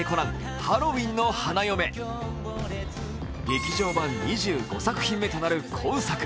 劇場版２５作品目となる今作。